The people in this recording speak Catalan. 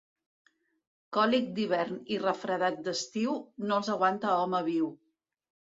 Còlic d'hivern i refredat d'estiu no els aguanta home viu.